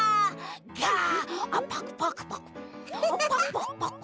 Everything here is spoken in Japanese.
ガッパクパクパクパク。